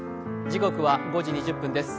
時刻は５時２０分です。